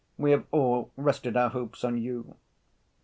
We have all rested our hopes on you."